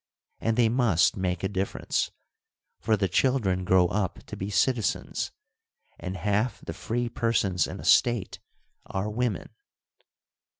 And they must make a difference ; for the children grow up to be citizens, and half the free persons in a State are women.